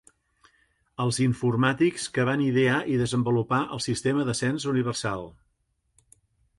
Als informàtics que van idear i desenvolupar el sistema de cens universal.